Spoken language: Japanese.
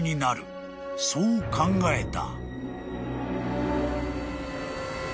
［そう考えた］